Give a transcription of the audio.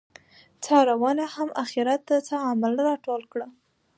څاروانه ته هم اخیرت ته څه عمل راټول کړه